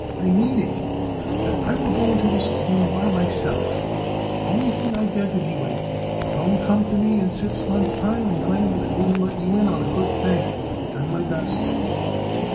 "I mean, Abe, that I will go into this alone by myself, and only one thing I beg of you, Abe: don't come to me in six months' time and claim that I wouldn't let you in on a good thing. I have done my best."